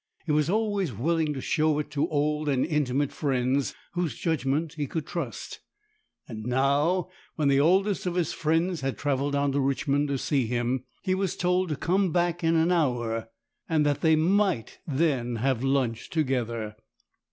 He was always willing to show it to old and intimate friends whose judgment he could trust ; and now, when the oldest of his friends had travelled down to Richmond to see him, he was told to come back in an hour, and that they might then lunch together